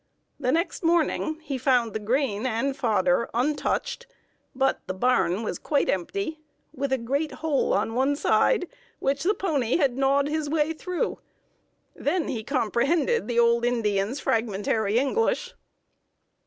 The next morning he found the grain and fodder untouched, but the barn was quite empty, with a great hole on one side, which the pony had gnawed his way through! Then he comprehended the old Indian's fragmentary English."